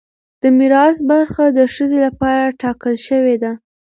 د میراث برخه د ښځې لپاره ټاکل شوې ده.